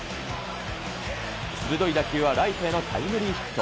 鋭い打球はライトへのタイムリーヒット。